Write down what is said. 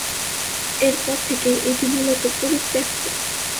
এরপর থেকে এটি মূলত পরিত্যক্ত।